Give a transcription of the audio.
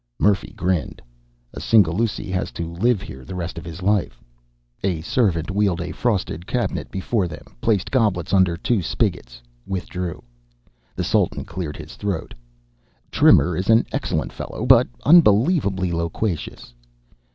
Murphy grinned. "A Singhalûsi has to live here the rest of his life." A servant wheeled a frosted cabinet before them, placed goblets under two spigots, withdrew. The Sultan cleared his throat. "Trimmer is an excellent fellow, but unbelievably loquacious."